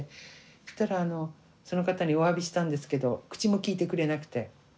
そしたらあのその方におわびしたんですけど口も利いてくれなくて。